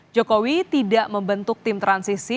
jokowi tidak membentuk tim transisi